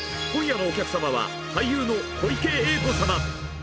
今夜のお客様は俳優の小池栄子様。